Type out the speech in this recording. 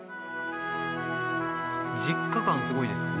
実家感すごいです。